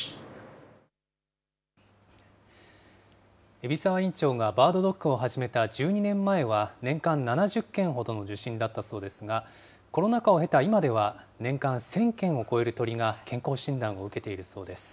海老沢院長がバードドックを始めた１２年前は、年間７０件ほどの受診だったそうですが、コロナ禍を経た今では、年間１０００件を超える鳥が健康診断を受けているそうです。